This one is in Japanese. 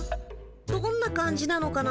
どんな感じなのかな。